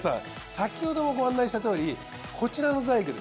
先ほどもご案内したとおりこちらのザイグル。